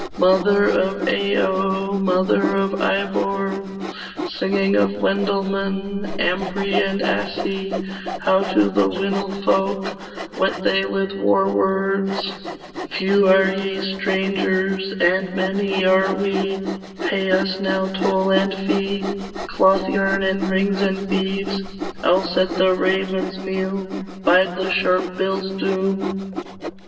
Mother of Ayo Mother of Ibor. Singing of Wendel men, Ambri and Assi; How to the Winilfolk Went they with war words 'Few are ye, strangers, And many are we; Pay us now toll and fee, Clothyarn, and rings, and beeves; Else at the raven's meal Bide the sharp bill's doom.